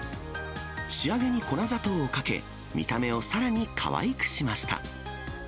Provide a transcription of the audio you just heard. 仕上げに粉砂糖をかけ、見た目をさらにかわいくしました。